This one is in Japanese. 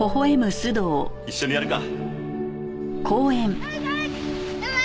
一緒にやるか。